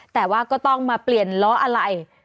แต่ว่าก็ต้องมาเปลี่ยนล้ออะไร